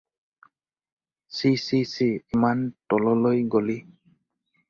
ছিঃ ছিঃ ছিঃ! ইমান তললৈ গলি